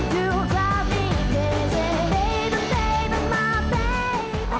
tante kamu mau ke rumah